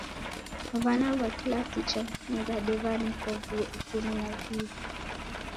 W'ana w'a kilasi cha mfungade w'anekwa vuo ikumi na viw'i.